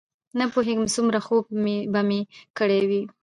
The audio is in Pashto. نه پوهېږم څومره خوب به مې کړی وي.